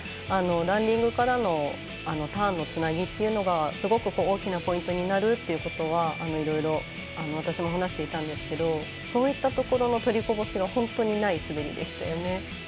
ランディングからのターンのつなぎというのがすごく大きなポイントになるっていうのはいろいろ私も話していたんですけどそういったところの取りこぼしが本当にない滑りでしたよね。